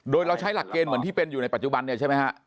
โดยเราใช้หลักเกณฑ์เหมือนที่เป็นอยู่ในปัจจุบันเนี่ยใช่ไหมฮะ